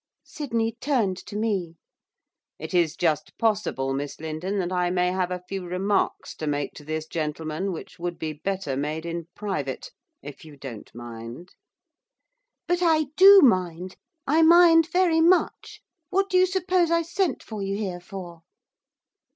Sydney turned to me. 'It is just possible, Miss Lindon, that I may have a few remarks to make to this gentleman which would be better made in private, if you don't mind.' 'But I do mind, I mind very much. What do you suppose I sent for you here for?